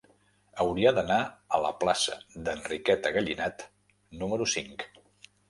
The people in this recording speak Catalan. Hauria d'anar a la plaça d'Enriqueta Gallinat número cinc.